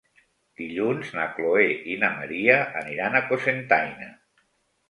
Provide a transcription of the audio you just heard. Dilluns na Chloé i na Maria aniran a Cocentaina.